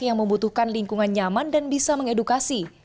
yang membutuhkan lingkungan nyaman dan bisa mengedukasi